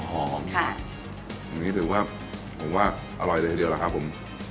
อย่างนี้ถือว่าผมว่าอร่อยเลยทีเดียวล่ะครับผม